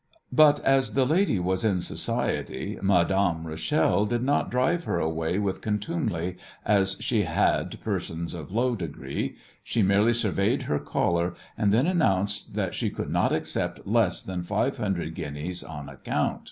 But as the lady was in society Madame Rachel did not drive her away with contumely, as she had persons of low degree. She merely surveyed her caller, and then announced that she could not accept less than five hundred guineas "on account."